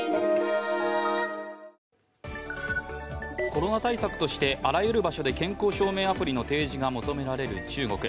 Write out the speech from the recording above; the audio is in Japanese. コロナ対策としてあらゆる場所で健康証明アプリを求める中国。